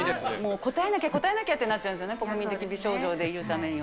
応えなきゃ、応えなきゃって、なっちゃうんですよね、国民的美少女でいるためには。